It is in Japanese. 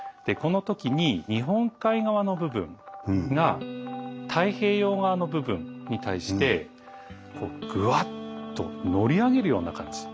この時に日本海側の部分が太平洋側の部分に対してぐわっと乗り上げるような感じ。